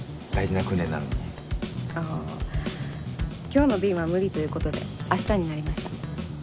今日の便は無理という事で明日になりました。